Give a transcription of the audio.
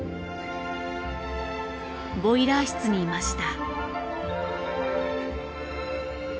ボイラー室にいました。